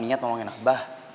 emang aku gak niat om ngein abah